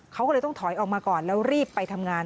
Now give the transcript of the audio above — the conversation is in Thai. เขาก็เลยต้องถอยออกมาก่อนแล้วรีบไปทำงาน